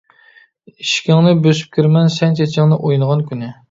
ئىشىكىڭنى بۆسۈپ كىرىمەن، سەن چېچىڭنى ئوينىغان كۈنى.